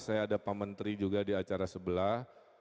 saya ada pementri juga di acara sebelah